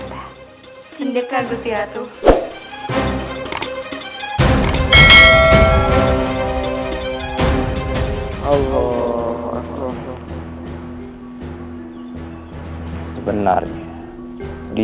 melewati sisi anda